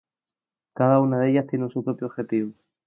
Cada una de ellas tiene su propio objetivo.